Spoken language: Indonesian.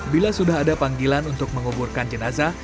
bila sudah ada panggilan untuk menguburkan jenazah